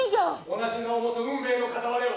同じ名を持つ運命の片割れを。